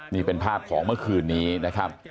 นี่เป็นภาพของเมื่อคืนนี้นะครับ